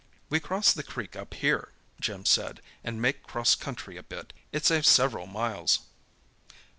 "We cross the creek up here," Jim said, "and make 'cross country a bit. It saves several miles."